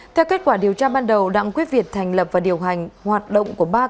theo kết quả điều tra ban đầu đặng quốc việt thành lập và điều hành hoạt động của ba